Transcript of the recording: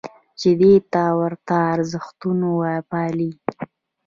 چې دې ته ورته ارزښتونه پالي.